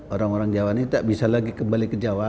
orang orang jawa ini tak bisa lagi kembali ke jawa